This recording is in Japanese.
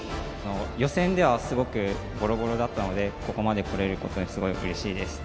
予選ではすごくボロボロだったのでここまでこれることにすごいうれしいです。